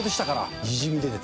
にじみ出てた。